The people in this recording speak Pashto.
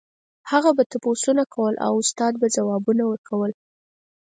هغه به تپوسونه کول او استاد به ځوابونه ورکول.